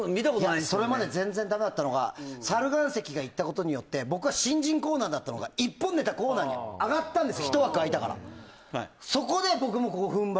いやそれまで全然ダメだったのが猿岩石がいったことによって僕は新人コーナーだったのが一本ネタコーナーに上がったんですよ